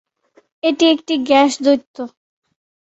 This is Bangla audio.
এটি একটি গ্যাস দৈত্য।